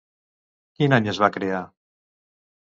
Quin any es va crear?